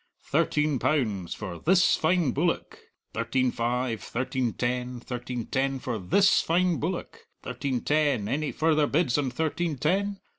"Thirteen pounds for this fine bullock; thirteen five; thirteen ten; thirteen ten for this fine bullock; thirteen ten; any further bids on thirteen ten?